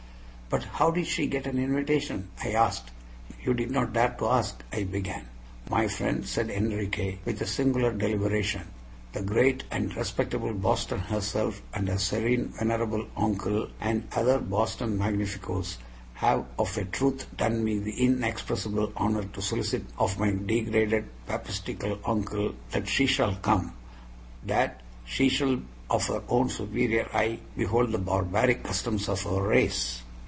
"But how did she get an invitation?" I asked. "You did not dare to ask " I began. "My friend," said Enriquez, with a singular deliberation, "the great and respectable Boston herself, and her serene, venerable oncle, and other Boston magnificos, have of a truth done me the inexpressible honor to solicit of my degraded, papistical oncle that she shall come that she shall of her own superior eye behold the barbaric customs of our race."